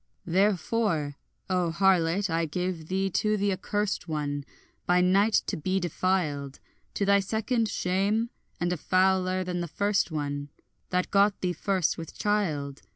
Therefore O harlot, I gave thee to the accurst one, By night to be defiled, To thy second shame, and a fouler than the first one, That got thee first with child.